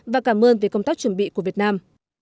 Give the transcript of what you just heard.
và cảm ơn về công tác chuẩn bị của việt nam